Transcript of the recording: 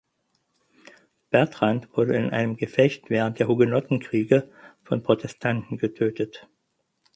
Bertrand wurde in einem Gefecht während der Hugenottenkriege von Protestanten getötet.